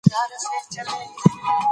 تاریخ د شوالیو بشپړ داستان دی.